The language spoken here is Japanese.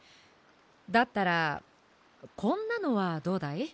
だったらこんなのはどうだい？